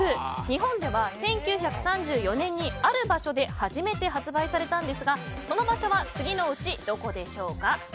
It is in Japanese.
日本では１９３４年にある場所で初めて発売されたんですがその場所は次のうちどこでしょうか。